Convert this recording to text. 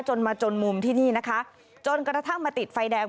จนมาจนมุมที่นี่นะคะจนกระทั่งมาติดไฟแดง